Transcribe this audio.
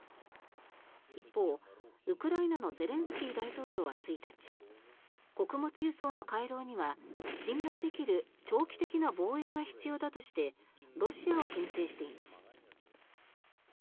一方、ウクライナのゼレンスキー大統領は１日穀物輸送の回廊には信頼できる長期的な防衛が必要だとしてロシアをけん制しています。